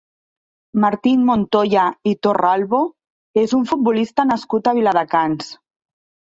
Martín Montoya i Torralbo és un futbolista nascut a Viladecans.